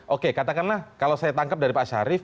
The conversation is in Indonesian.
oke katakanlah kalau saya tangkap dari pak syarif